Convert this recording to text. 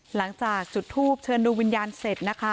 หลังจากจุดทูปเชิญดูวิญญาณเสร็จนะคะ